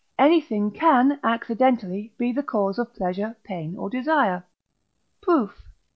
Anything can, accidentally, be the cause of pleasure, pain, or desire. Proof.